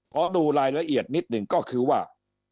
ขอดูรายละเอียดนิดหนึ่งก็คือว่า